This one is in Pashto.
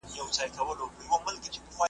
د ھرکتاب پاڼې مې څوڅوواره، واړولې